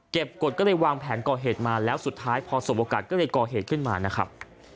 กฎก็เลยวางแผนก่อเหตุมาแล้วสุดท้ายพอสมโอกาสก็เลยก่อเหตุขึ้นมานะครับ